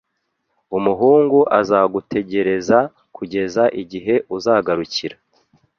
Umuhungu azagutegereza kugeza igihe uzagarukira.